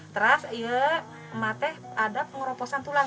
terus ya mak teh ada pengroposan tulang